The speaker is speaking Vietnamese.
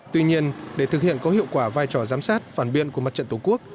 tuy nhiên để thực hiện có hiệu quả vai trò giám sát phản biện của mặt trận tổ quốc